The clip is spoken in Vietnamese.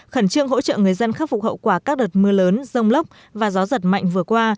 khẩn trương hỗ trợ người dân khắc phục hậu quả các đợt mưa lớn rông lốc và gió giật mạnh vừa qua